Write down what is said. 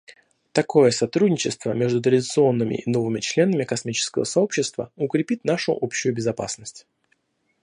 Такое сотрудничество между традиционными и новыми членами космического сообщества укрепит нашу общую безопасность.